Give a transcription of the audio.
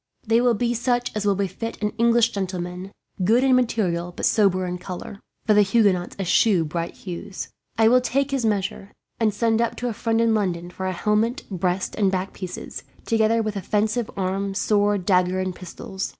They will be such as will befit an English gentleman; good in material but sober in colour, for the Huguenots eschew bright hues. I will take his measure, and send up to a friend in London for a helmet, breast, and back pieces, together with offensive arms, sword, dagger, and pistols.